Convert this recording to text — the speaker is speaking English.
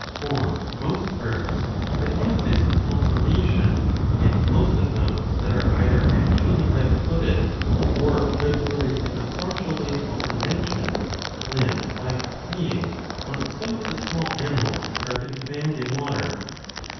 For most birds that have this conformation, and most of those that are either actually web footed or web footed in the partial way already mentioned, live by preying on some of the small animals that are to be found in water.